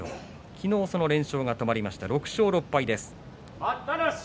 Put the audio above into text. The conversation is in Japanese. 昨日その連勝が止まりました６勝６敗です。